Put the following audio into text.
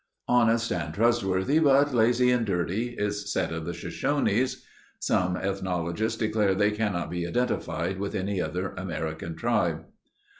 "Honest and trustworthy, but lazy and dirty," is said of the Shoshones. (Remi and Brenchley's Journal, p. 123.) Some ethnologists declare they cannot be identified with any other American tribe.